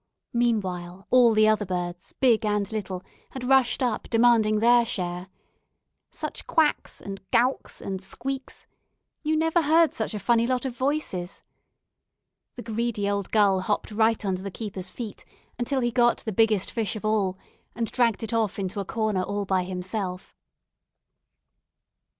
Meanwhile, all the other birds, big and little, had rushed up demanding their share. Such "quacks" and "gowks" and "squeaks"! You never heard such a funny lot of voices. The greedy old gull hopped right under the keeper's feet, until he got the biggest fish of all, and dragged it off into a corner all by himself.